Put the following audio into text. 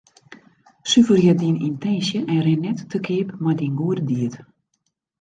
Suverje dyn yntinsje en rin net te keap mei dyn goede died.